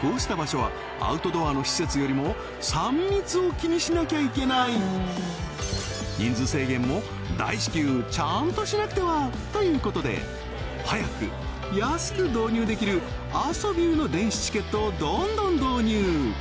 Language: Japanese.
こうした場所はアウトドアの施設よりも３密を気にしなきゃいけない人数制限も大至急ちゃんとしなくてはということで早く安く導入できるアソビューの電子チケットをどんどん導入